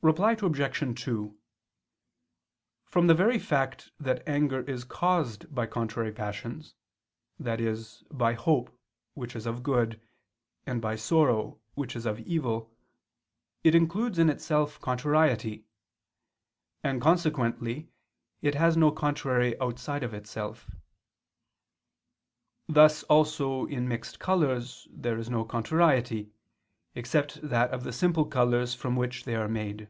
Reply Obj. 2: From the very fact that anger is caused by contrary passions, i.e. by hope, which is of good, and by sorrow, which is of evil, it includes in itself contrariety: and consequently it has no contrary outside itself. Thus also in mixed colors there is no contrariety, except that of the simple colors from which they are made.